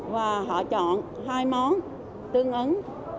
và họ chọn hai món tương ứng